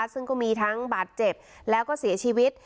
ซึ่งก็มีทั้งบาดเจ็บแล้วก็เสียชีวิต